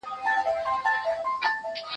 بیا یې مات سول تماشې ته ډېر وګړي